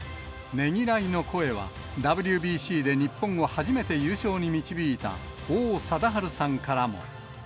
ねぎらいの声は、ＷＢＣで日本を初めて優勝に導いた、王貞治さんからも。